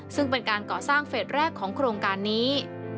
ซึ่งเป็นการก่อสร้างเฟสแรกของโครงการนี้